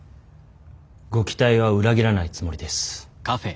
ご期待は裏切らないつもりです。